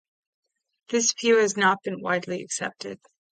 This view has not been widely accepted.